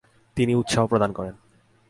তিনি উৎসাহ প্রদান করেন।